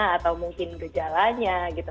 atau mungkin gejalanya gitu